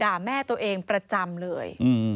แม่ตัวเองประจำเลย